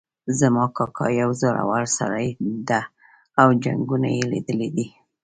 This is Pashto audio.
زما کاکا یو زړور سړی ده او جنګونه یې لیدلي دي